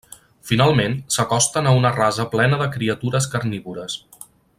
Finalment, s'acosten a una rasa plena de criatures carnívores.